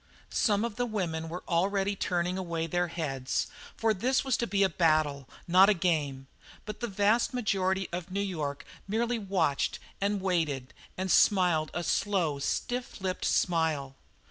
Some of the women were already turning away their heads, for this was to be a battle, not a game; but the vast majority of New York merely watched and waited and smiled a slow, stiff lipped smile.